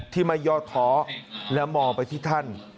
ที่ไม่ยอดท้อและมองไปที่ท่าน